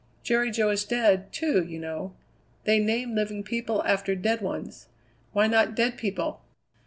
Jerry Jo is dead, too, you know. They name living people after dead ones. Why not dead people?"